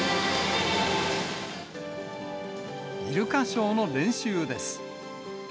イルカショーの練習です。